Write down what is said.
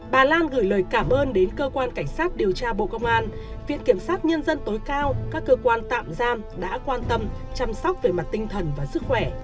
bà lan gửi lời cảm ơn đến cơ quan cảnh sát điều tra bộ công an viện kiểm sát nhân dân tối cao các cơ quan tạm giam đã quan tâm chăm sóc về mặt tinh thần và sức khỏe